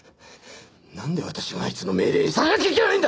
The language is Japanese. なんで私があいつの命令に従わなきゃいけないんだ！